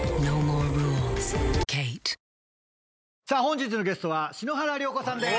さあ本日のゲストは篠原涼子さん